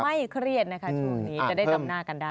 เครียดนะคะช่วงนี้จะได้จำหน้ากันได้